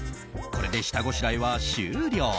これで下ごしらえは終了。